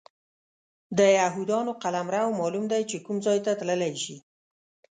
د یهودانو قلمرو معلوم دی چې کوم ځای ته تللی شي.